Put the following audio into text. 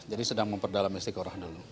jadi sedang memperdalam istiqoroh dulu